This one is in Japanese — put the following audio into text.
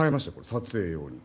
撮影用に。